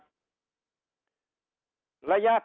คำถามคือเอากันอยู่ไหมครับ